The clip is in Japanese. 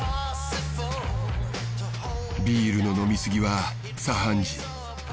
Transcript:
ビールの飲み過ぎは茶飯事。